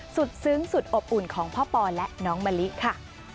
ซึ้งสุดอบอุ่นของพ่อปอและน้องมะลิค่ะ